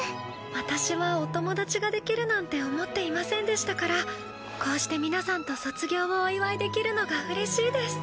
私はお友達ができるなんて思っていませんでしたからこうして皆さんと卒業をお祝いできるのがうれしいです。